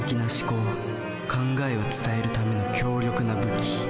考えを伝えるための強力な武器。